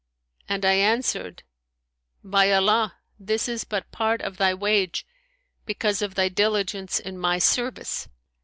and I answered, By Allah, this is but part of thy wage, because of thy diligence in my service.'